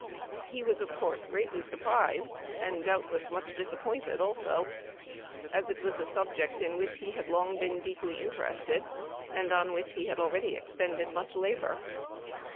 He was of course greatly surprised, and doubt Memoir of Washington Irving. 255 less much disappointed also, as it was a subject in which he had long been deeply interested, and on which he had already expended much labor.